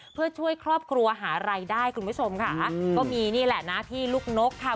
เพื่อช่วยครอบครัวหารายได้คุณผู้ชมค่ะก็มีนี่แหละนะที่ลูกนกค่ะ